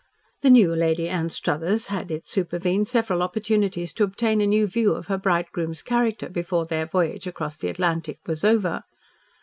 The new Lady Anstruthers had, it supervened, several opportunities to obtain a new view of her bridegroom's character before their voyage across the Atlantic was over.